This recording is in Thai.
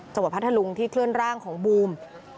จังหวัดพัทธรรมที่เคลื่อนร่างของบูม